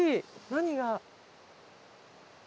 何が？